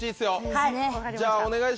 はい。